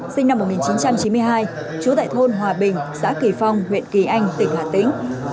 sinh năm một nghìn chín trăm chín mươi hai trú tại thôn hòa bình xã kỳ phong huyện kỳ anh tỉnh hà tĩnh